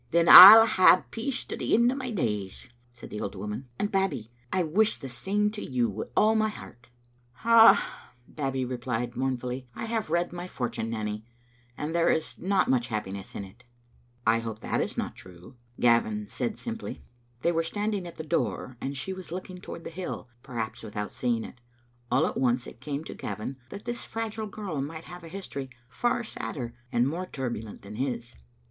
" Then I'll hae peace to the end o' my days," said the old woman, " and. Babbie, I wish the same to you wi' all my heart." Digitized by VjOOQ IC Second Sermon Bgainst Momem 141 Ah/* Babbie replied, mournfully, "I have read my fortune, Nanny, and there is not much happiness in it." " I hope that is not true," Gavin said, simply. They were standing at the door, and she was looking toward the hill, perhaps without seeing it. All at once it came to Gavin that this fragile girl might have a history far sadder and more turbulent than his.